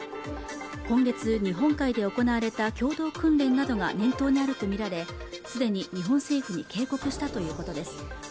今月日本海で行われた共同訓練などが念頭にあると見られすでに日本政府に警告したということです